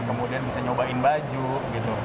kemudian bisa nyobain baju gitu